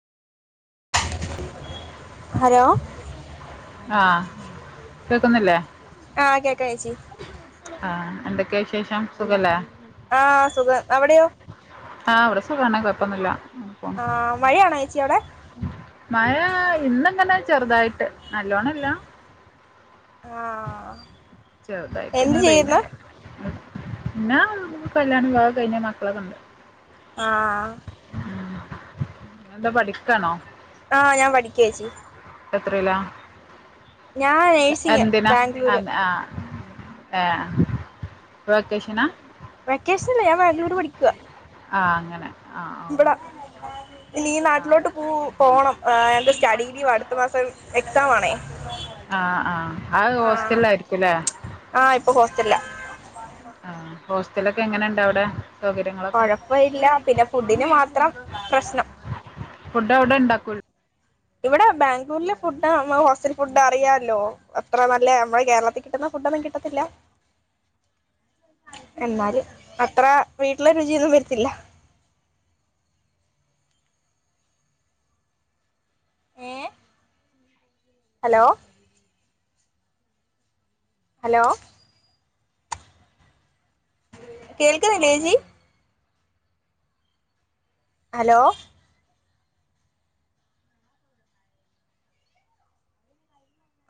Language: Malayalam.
ഹലോ ആ കേക്കുന്നില്ലേ? ആ കേക്കാ ചേച്ചി ആഹ് എന്തൊക്കെയാ വിശേഷം സുഖല്ലേ? ആ സുഖം അവിടെയോ? ആ അവിടെ സുഖാണ് കുഴപ്പോന്നുല്ല ആ മഴയാണോച്ചി അവടെ? മഴ ഇന്നിങ്ങനെ ചെറുതായിട്ട് നല്ലോണംല്ല ആ എന്ത് ചെറുതായിട്ട്ങ്ങനെ പെയ്ന ചെയ്യുന്നു കേക്ക്ണ് ഉം ഞാൻ കല്യാണം കയ്ഞ്ഞ മക്കളൊക്കെണ്ട് ആ എന്താ പഠിക്കാണോ? ആഹ ഞാൻ പഠിക്ക്യേച്ചി എത്രേലാ ഏഹ് നേഴ്സിങ് എന്തിനാ ആ ബാംഗ്ലൂര് ആ എ ആ ആ വെക്കേഷനല്ല ഞാൻ വാംഗ്ളൂർ പഠിക്കുവാ ആ അങ്ങനെ ആഹ് ആഹ് ന്ത്‌ടാ ഓക്കെ ഇനീ ആഹ് നാട്ടിലോട്ട് പൂ പോണം. ഏഹ് എന്റെ സ്റ്റഡീ ലീവാ അട് ത്ത മാസം എക്സാമാണേ ആ ആ അഹ് ഹോസ്റ്റലായിരിക്കുംല്ലേ? ത്തില്ല ആ ഹോസ്റ്റലൊക്കെ എങ്ങനെ ഇണ്ട് അവടെ? കൊഴപ്പവില്ല പിന്ന ഫുഡിന് മാത്രം പ്രശ്നം. ഫുഡ് അവടെ ഉണ്ടാക്കുൽ ഇവിടെ ബാംഗ്ലൂരിലെ ഫുഡാ മ്മടെ ഹോസ്റ്റൽ ഫുഡ് അറിയാല്ലോ. അത്ര നല്ല മ്മടെ കേരളത്തിൽ കിട്ടുന്ന ഫുഡൊന്നും കിട്ടത്തില്ല അ എന്നാലും അത്ര വീട്ടിലെ രുചിയൊന്നും വരത്തില്ല. അ ഏ ഹലോ ഹലോ കേൾക്കുന്നില്ലേച്ചി? ഹലോ